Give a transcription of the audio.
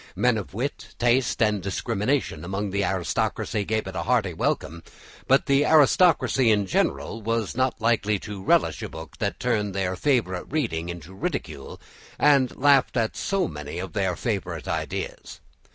Men of wit, taste, and discrimination among the aristocracy gave it a hearty welcome, but the aristocracy in general were not likely to relish a book that turned their favourite reading into ridicule and laughed at so many of their favourite ideas.